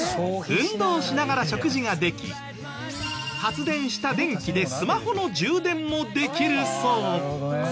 運動しながら食事ができ発電した電気でスマホの充電もできるそう。